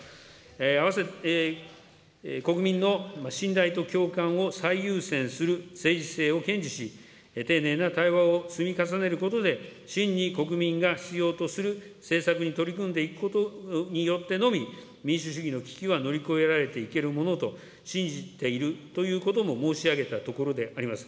併せて国民の信頼と共感を最優先する政治姿勢を堅持し、丁寧な対話を積み重ねることで、真に国民が必要とする政策に取り組んでいくことによってのみ、民主主義の危機は乗り越えられていけるものと信じているということも申し上げたところであります。